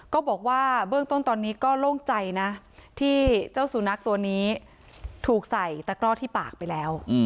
ก็บอกว่าเบื้องต้นตอนนี้ก็โล่งใจนะที่เจ้าสุนัขตัวนี้ถูกใส่ตะกร่อที่ปากไปแล้ว